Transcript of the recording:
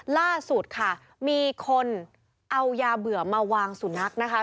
ล่าสุดค่ะมีคนเอายาเบื่อมาวางสุนัขนะคะ